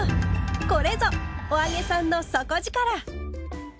これぞ「“お揚げさん”の底力！」。